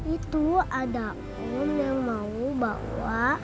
itu ada om yang mau bawa